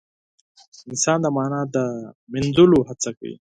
انسان د مانا د موندلو هڅه کوي.